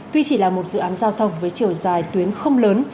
tuy chỉ là một dự án giao thông với chiều dài tuyến không lớn